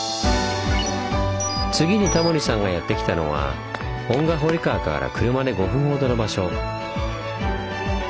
次にタモリさんがやって来たのは遠賀堀川から車で５分ほどの場所。